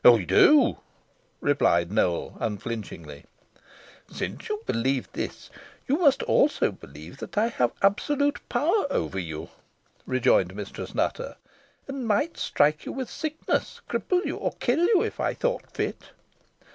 "I do," replied Nowell, unflinchingly. "Since you believe this, you must also believe that I have absolute power over you," rejoined Mistress Nutter, "and might strike you with sickness, cripple you, or kill you if I thought fit."